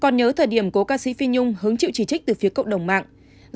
còn nhớ thời điểm cố ca sĩ phi nhung hứng chịu chỉ trích từ phía cộng đồng mạng